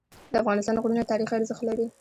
د افغانستان غرونه تاریخي ارزښت لري.